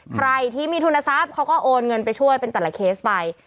ใครที่มีทุนทรัพย์เขาก็โอนเงินไปช่วยเป็นแต่ละเคสไป